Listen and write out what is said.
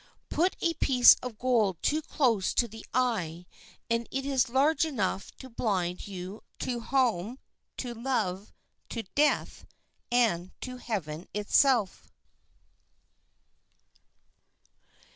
Put a piece of gold too close to the eye and it is large enough to blind you to home, to love, to death, and to heaven itself.